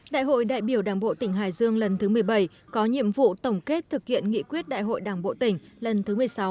đại hội đại biểu đảng bộ tỉnh hải dương lần thứ một mươi bảy có nhiệm vụ tổng kết thực hiện nghị quyết đại hội đảng bộ tỉnh lần thứ một mươi sáu